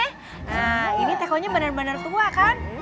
nah ini tekonya bener bener tua kan